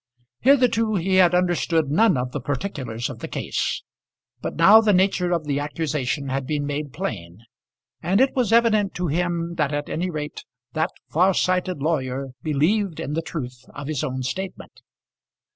Hitherto he had understood none of the particulars of the case; but now the nature of the accusation had been made plain, and it was evident to him that at any rate that far sighted lawyer believed in the truth of his own statement.